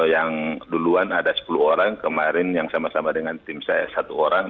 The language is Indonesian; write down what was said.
yang duluan ada sepuluh orang kemarin yang sama sama dengan tim saya satu orang